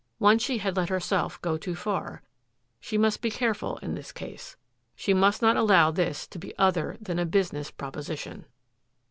Once she had let herself go too far. She must be careful in this case. She must not allow this to be other than a business proposition.